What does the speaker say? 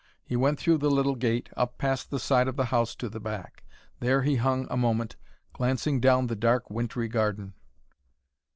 He went through the little gate, up past the side of the house to the back. There he hung a moment, glancing down the dark, wintry garden.